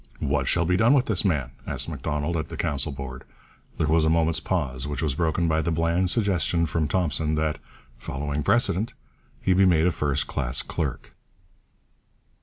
'What shall be done with this man?' asked Macdonald at the Council Board. There was a moment's pause, which was broken by the bland suggestion from Thompson that, 'following precedent, he be made a first class clerk.'